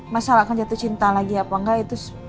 mas al akan jatuh cinta lagi apa engga itu